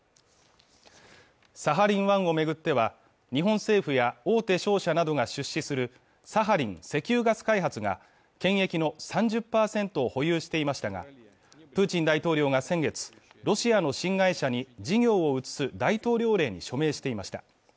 サハリン１をめぐっては日本政府や大手商社などが出資するサハリン石油ガス開発が権益の３０％を保有していましたがプーチン大統領が先月ロシアの新会社に事業を移す大統領令に署名していました